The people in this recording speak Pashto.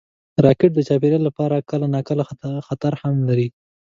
راکټ د چاپېریال لپاره کله ناکله خطر هم لري